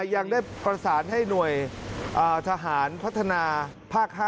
ยังได้ประสานให้หน่วยทหารพัฒนาภาค๕